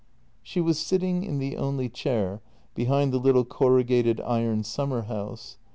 She was sitting in the only chair, behind the little corrugated iron summer house.